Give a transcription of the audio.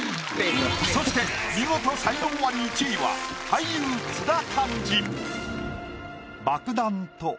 そして見事才能アリ１位は俳優津田寛治。